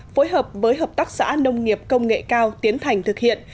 phối hợp với hợp tác xã nông nghiệp công nghệ cao tiến thành thực hiện